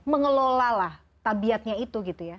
mengelola lah tabiatnya itu gitu ya